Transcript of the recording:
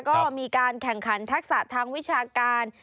ก็มีการแข่งขันทักษะทางวิชาการ